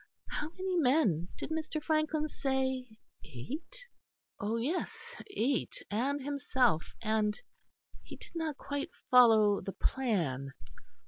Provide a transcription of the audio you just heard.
How many men, did Mr. Frankland say? Eight? Oh yes, eight and himself, and he did not quite follow the plan.